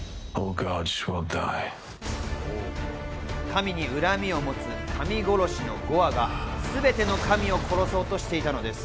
神に恨みを持つ神殺しのゴアがすべての神を殺そうとしていたのです。